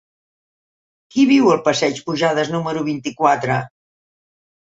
Qui viu al passeig de Pujades número vint-i-quatre?